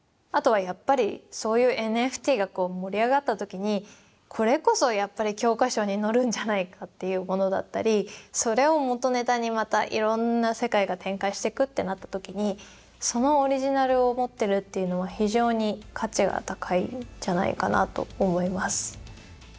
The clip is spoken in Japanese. あとはやっぱりそういうＮＦＴが盛り上がった時にこれこそやっぱり教科書に載るんじゃないかっていうものだったりそれを元ネタにまたいろんな世界が展開していくってなった時にそのオリジナルを持ってるっていうのは非常に価値が高いんじゃないかなと思います。